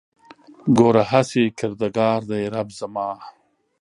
ګوره هسې کردګار دی رب زما